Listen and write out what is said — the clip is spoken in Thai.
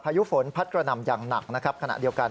พายุฝนพัดกระหน่ำอย่างหนักขณะเดียวกัน